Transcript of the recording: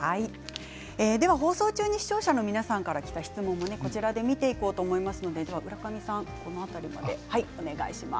放送中に視聴者の皆さんからきた質問も見ていこうと思います。